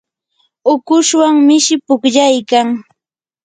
ukushwan mishi pukllaykayan.